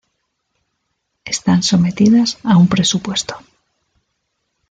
Están sometidas a un presupuesto.